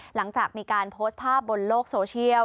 หลังจากมีการโพสต์ภาพบนโลกโซเชียล